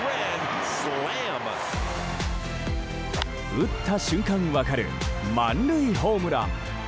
打った瞬間、分かる満塁ホームラン。